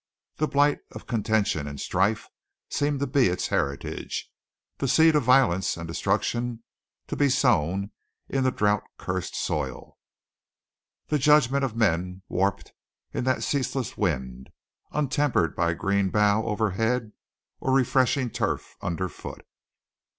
The blight of contention and strife seemed to be its heritage, the seed of violence and destruction to be sown in the drouth cursed soil. The judgment of men warped in that ceaseless wind, untempered by green of bough overhead or refreshing turf under foot.